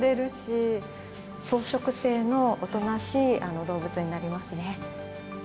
草食性のおとなしい動物になりますね。